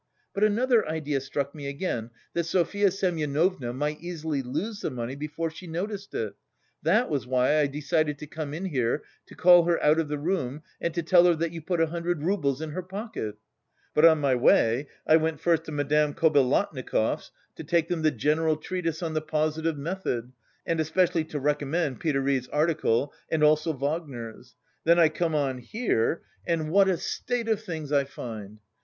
But another idea struck me again that Sofya Semyonovna might easily lose the money before she noticed it, that was why I decided to come in here to call her out of the room and to tell her that you put a hundred roubles in her pocket. But on my way I went first to Madame Kobilatnikov's to take them the 'General Treatise on the Positive Method' and especially to recommend Piderit's article (and also Wagner's); then I come on here and what a state of things I find!